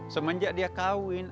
semenjak dia kawin